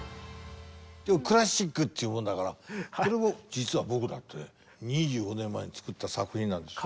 今日クラシックっちゅうもんだからこれも実は僕だって２５年前に作った作品なんですよ。